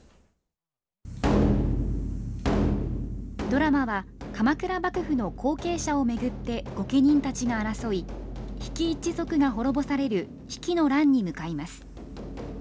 ドラマは鎌倉幕府の後継者を巡って御家人たちが争い、比企一族が滅ぼされる比企の乱に向かいます。